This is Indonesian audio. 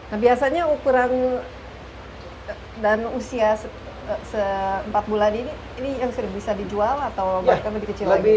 nah biasanya ukuran dan usia se empat bulan ini ini yang sudah bisa dijual atau mereka lebih kecil lagi